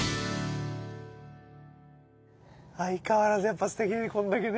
相変わらずやっぱすてきでこんだけね。